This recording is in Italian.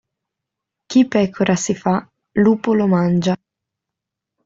Chi pecora si fa, lupo lo mangia.